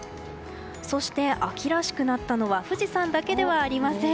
そして、秋らしくなったのは富士山だけではありません。